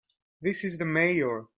This is the Mayor.